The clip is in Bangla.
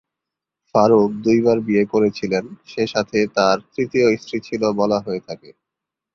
ফারুক দুইবার বিয়ে করেছিলেন, সেসাথে তার তৃতীয় স্ত্রী ছিল বলা হয়ে থাকে।